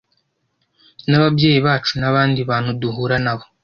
nababyeyi bacu n’abandi bantu duhura na bo.